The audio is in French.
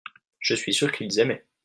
je suis sûr qu'ils aimaient.